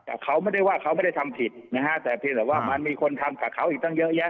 แต่เขาไม่ได้ว่าเขาไม่ได้ทำผิดนะฮะแต่เพียงแต่ว่ามันมีคนทำกับเขาอีกตั้งเยอะแยะ